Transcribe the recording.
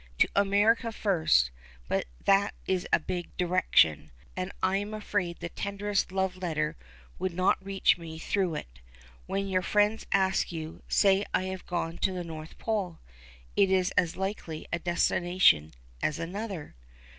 To America first, but that is a big direction, and I am afraid the tenderest love letter would not reach me through it. When your friends ask you, say I have gone to the North Pole; it is as likely a destination as another."